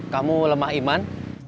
kamu lemah iman